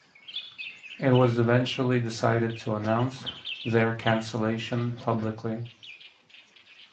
It was eventually decided to announce their cancellation publicly.